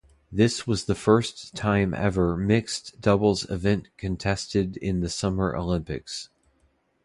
This was the first time ever mixed doubles event contested in the Summer Olympics.